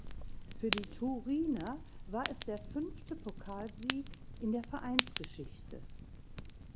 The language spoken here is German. Für die Turiner war es der fünfte Pokalsieg in der Vereinsgeschichte.